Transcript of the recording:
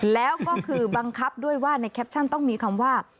แล้วก็คือบังคับด้วยว่าในแคปชั่นต้องมีคำว่า